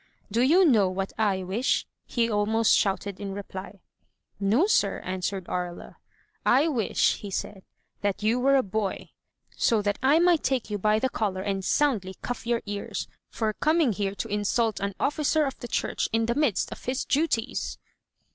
"Do you know what I wish?" he almost shouted in reply. "No, sir," answered Aria. "I wish," he said, "that you were a boy, so that I might take you by the collar and soundly cuff your ears, for coming here to insult an officer of the church in the midst of his duties!